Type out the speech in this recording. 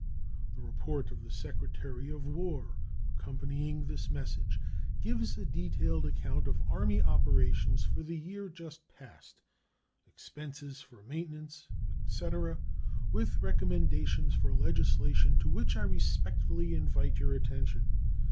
The report of the Secretary of War, accompanying this message, gives a detailed account of Army operations for the year just passed, expenses for maintenance, etc., with recommendations for legislation to which I respectfully invite your attention.